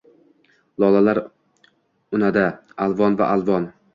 lolalar unadi alvon va alvon